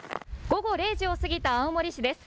午後０時を過ぎた青森市です。